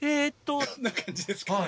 こんな感じですかね。